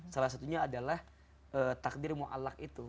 salah satunya adalah takdir mu'alak itu